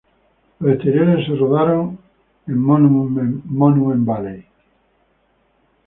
Los exteriores se rodaron en Monument Valley.